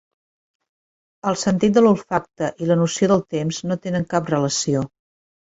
El sentit de l'olfacte i la noció del temps no tenen cap relació